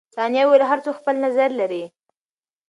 ثانیه وویل، هر څوک خپل نظر لري.